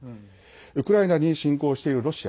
ウクライナに侵攻しているロシア。